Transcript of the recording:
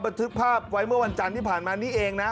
บันทึกภาพไว้เมื่อวันจันทร์ที่ผ่านมานี้เองนะ